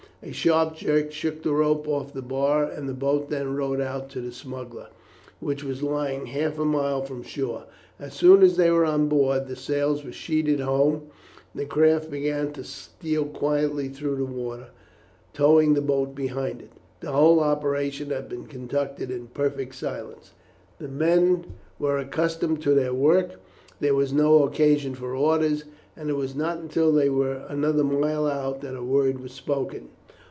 A sharp jerk shook the rope off the bar, and the boat then rowed out to the smuggler, which was lying half a mile from shore. As soon as they were on board the sails were sheeted home, and the craft began to steal quietly through the water, towing the boat behind it. The whole operation had been conducted in perfect silence. The men were accustomed to their work; there was no occasion for orders, and it was not until they were another mile out that a word was spoken.